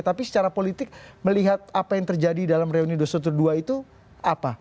tapi secara politik melihat apa yang terjadi dalam reuni dosa terdua itu apa